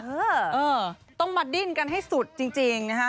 เออต้องมาดิ้นกันให้สุดจริงนะฮะ